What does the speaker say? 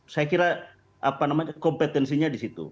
saya kira kompetensinya di situ